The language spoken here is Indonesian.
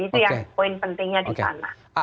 itu yang poin pentingnya di sana